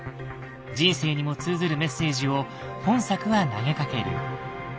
人生にも通ずるメッセージを本作は投げかける。